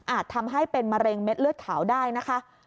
ทำให้เป็นมะเร็งเม็ดเลือดขาวได้นะคะ